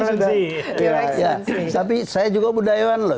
tapi saya juga budayawan loh